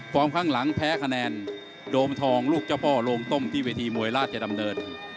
ข้างหลังแพ้คะแนนโดมทองลูกเจ้าพ่อโรงต้มที่เวทีมวยราชดำเนิน